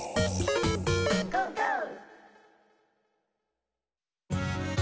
「ゴーゴー」